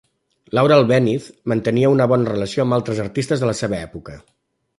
Laura Albéniz, mantenia una bona relació amb altres artistes de la seva època.